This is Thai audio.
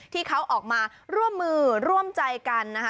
ที่เขาออกมาร่วมมือร่วมใจกันนะคะ